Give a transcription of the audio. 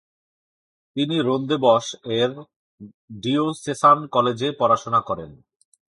তিনি রোন্দেবশ-এর ডিওসেসান কলেজে পড়াশোনা করেন।